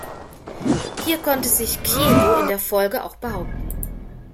Hier konnte sich Chievo in der Folge auch behaupten.